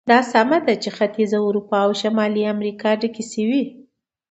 دا سمه ده چې ختیځه اروپا او شمالي امریکا ډکې شوې.